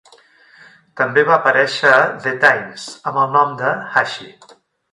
També va aparèixer a "The Times" amb el nom de "Hashi".